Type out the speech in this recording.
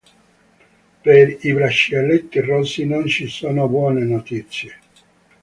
Per i Braccialetti Rossi non ci sono buone notizie.